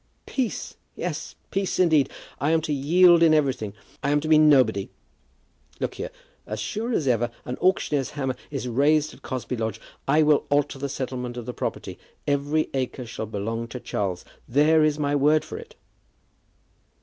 "Peace! yes; peace indeed. I am to yield in everything. I am to be nobody. Look here; as sure as ever an auctioneer's hammer is raised at Cosby Lodge, I will alter the settlement of the property. Every acre shall belong to Charles. There is my word for it."